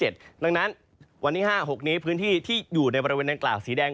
ดังนั้นวันที่๕๖นี้พื้นที่ที่อยู่ในบริเวณดังกล่าวสีแดง